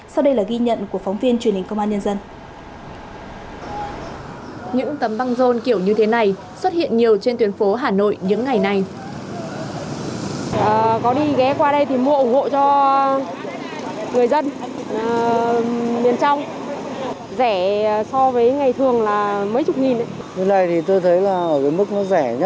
sau đây là ghi nhận của phóng viên truyền hình công an nhân dân